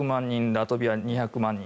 ラトビア、２００万人